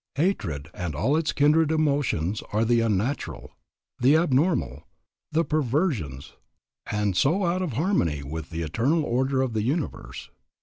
Hatred and all its kindred emotions are the unnatural, the abnormal, the perversions, and so, out of harmony with the eternal order of the universe.